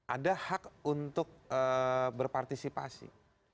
ada hak untuk berpartisipasi